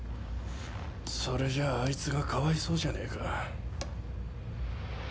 それじゃああいつがかわいそうじゃねぇか。